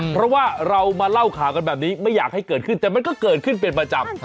เพราะว่าเรามาเล่าข่าวกันแบบนี้ไม่อยากให้เกิดขึ้นแต่มันก็เกิดขึ้นเป็นประจำ